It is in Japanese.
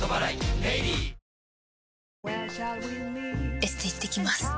エステ行ってきます。